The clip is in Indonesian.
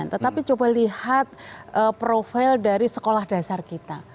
tetapi coba lihat profil dari sekolah dasar kita